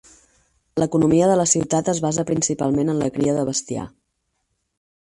L'economia de la ciutat es basa principalment en la cria de bestiar.